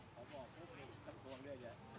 สวัสดีครับทุกคน